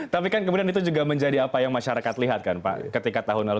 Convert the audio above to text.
tapi kan kemudian itu juga menjadi apa yang masyarakat lihat kan pak ketika tahun lalu